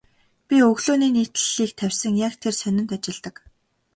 Тэр өглөөний нийтлэлийг тавьсан яг тэр сонинд ажилладаг.